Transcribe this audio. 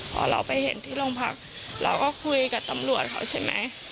พอเราไปเห็นที่โรงพักเราก็คุยกับตำรวจเขาใช่ไหม